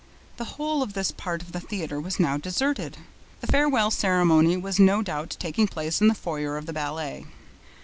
The whole of this part of the theater was now deserted. The farewell ceremony was no doubt taking place in the foyer of the ballet.